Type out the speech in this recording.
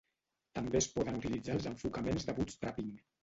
També es poden utilitzar els enfocaments de bootstrapping.